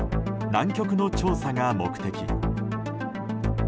南極の調査が目的。